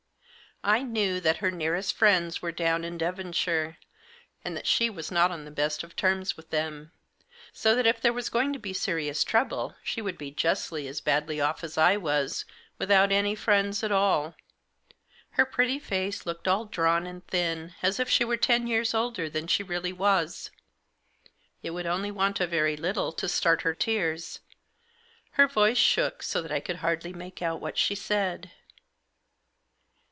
I knew that her nearest friends were down in Devonshire, and that she was not on the best of terms with them ; so that if there was going to be serious trouble, she would be just as badly off as I was, without any friends at all. Her pretty face looked all drawn and thin, as if she were ten years older than she really was. It would only want a very little to start her tears. Her voice shook so that I could hardly make out what she said.